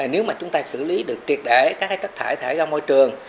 nếu mà chúng ta xử lý được triệt để các chất thải thải ra môi trường